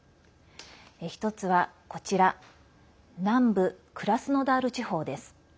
１つは、こちら南部クラスノダール地方です。